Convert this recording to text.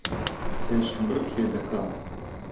پێشبڕکێ دەکا